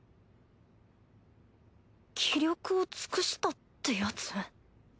気力を尽くしたってやつ？